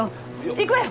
行くわよ！